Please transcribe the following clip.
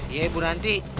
iya bu ranti